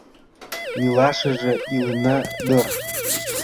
Илашыже илена дыр